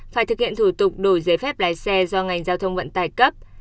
phải thực hiện thủ tục đổi giấy phép lái xe do ngành giao thông vận tải cấp